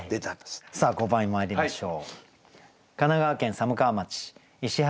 さあ５番にまいりましょう。